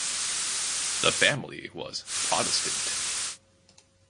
The family was Protestant.